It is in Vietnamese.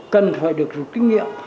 cần phải được được kinh nghiệm